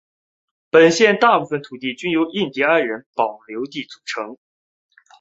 本县大部份土地均由印第安人保留地组成。